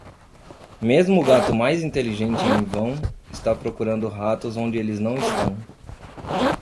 Mesmo o gato mais inteligente em vão está procurando ratos onde eles não estão.